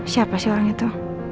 siapa sih orang itu